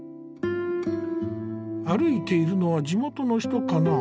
歩いているのは地元の人かな。